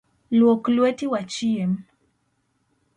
Luok lueti wachiem.